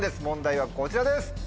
問題はこちらです。